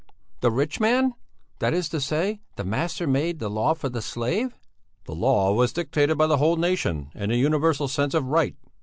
The rich man! That is to say, the master made the law for the slave." "The law was dictated by the whole nation and the universal sense of right.